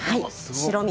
白身